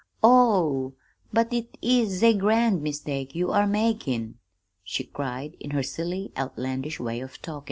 "Oh, but it is ze grand mistake you are makin',' she cried, in her silly, outlandish way of talkin'.